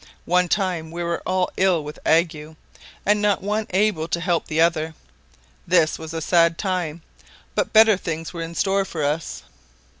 One time we were all ill with ague, and not one able to help the other; this was a sad time; but better things were in store for us.